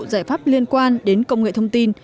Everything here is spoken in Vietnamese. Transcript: giải pháp liên quan đến công nghệ thông tin